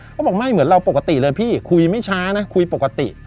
เขาบอกไม่เหมือนเราปกติเลยพี่คุยไม่ช้านะคุยปกติ